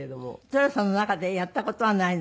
寅さんの中でやった事はないのね。